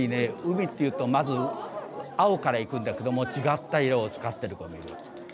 海っていうとまず青からいくんだけども違った色を使ってる子もいる。